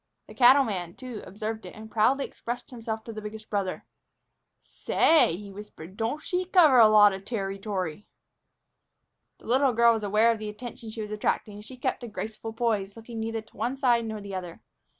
The cattleman, too, observed it, and proudly expressed himself to the biggest brother. "Say!" he whispered, "don't she cover a lot o' terrytory!" The little girl was aware of the attention she was attracting, and she kept a graceful poise, looking neither to one side nor the other.